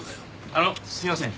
あのすいません。